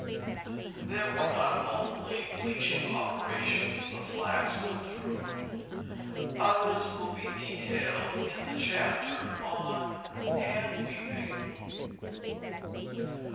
These were not the only bleaching operations the flax went through; others will be detailed in the chapter on hand weaving.